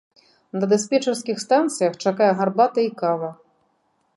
На дыспетчарскіх станцыях чакае гарбата і кава.